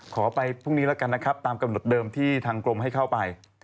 ขอไปพรุ่งนี้แล้วกันนะครับตามกำหนดเดิมที่ทางกรมให้เข้าไป